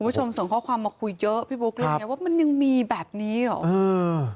คุณผู้ชมส่งข้อความมาคุยเยอะพี่โป๊กเรียงไงว่ามันยังมีแบบนี้หรออืม